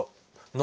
何？